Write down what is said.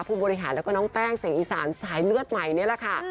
ผู้บริหารแล้วก็น้องแป้งเสียงอีสานสายเลือดใหม่นี่แหละค่ะ